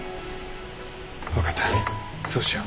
分かったそうしよう。